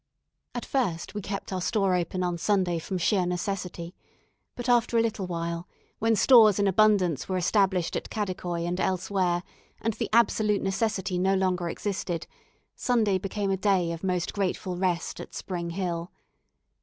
At first we kept our store open on Sunday from sheer necessity, but after a little while, when stores in abundance were established at Kadikoi and elsewhere, and the absolute necessity no longer existed, Sunday became a day of most grateful rest at Spring Hill.